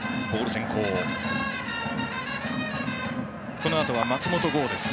このあとは松本剛です。